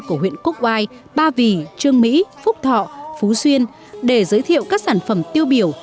của huyện quốc oai ba vì trương mỹ phúc thọ phú xuyên để giới thiệu các sản phẩm tiêu biểu